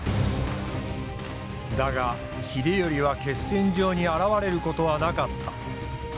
だが秀頼は決戦場に現れることはなかった。